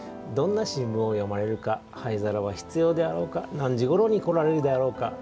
どんな新聞を読まれるか灰皿は必要であろうか何時ごろに来られるであろうか。